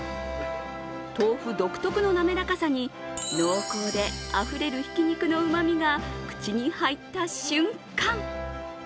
豆腐独特のなめらかさに濃厚であふれるひき肉のうまみが口に入った瞬間